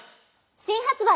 新発売。